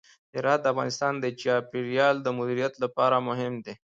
هرات د افغانستان د چاپیریال د مدیریت لپاره مهم دی.